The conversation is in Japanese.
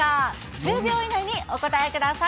１０秒以内にお答えください。